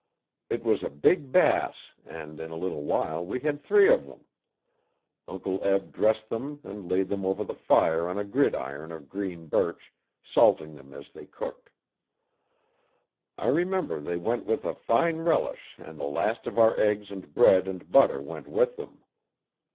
It was a big bass and in a little while we had three of them. Uncle Eb dressed them and laid them over the fire on a gridiron of green birch, salting them as they cooked. I remember they went with a fine relish and the last of our eggs and bread and butter went with them.